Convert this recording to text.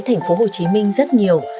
thành phố hồ chí minh